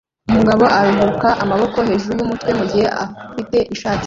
Umugabo aruhuka amaboko hejuru yumutwe mugihe adafite ishati